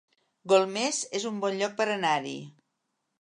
Golmés es un bon lloc per anar-hi